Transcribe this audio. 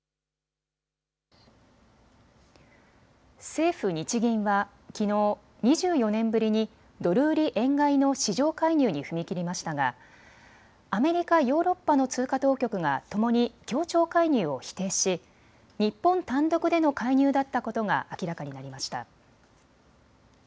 政府・日銀はきのう２４年ぶりにドル売り円買いの市場介入に踏み切りましたがアメリカ、ヨーロッパの通貨当局がともに協調介入を否定し日本単独での介入だったことが明らかになりました。